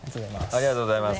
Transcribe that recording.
ありがとうございます。